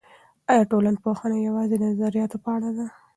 ایا ټولنپوهنه یوازې د نظریاتو په اړه ده؟